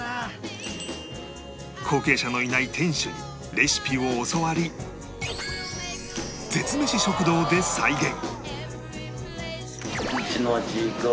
後継者のいない店主にレシピを教わり絶メシ食堂で再現